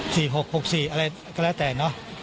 ๔๖๖๔อะไรก็แล้วแต่เนอะ